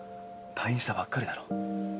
退院したばっかりだろ。